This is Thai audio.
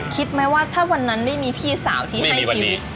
คิดไหมว่าถ้าวันนั้นไม่มีพี่สาวที่ให้ชีวิต